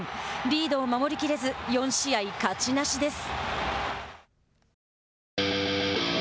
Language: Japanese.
リードを守りきれず４試合、勝ちなしです。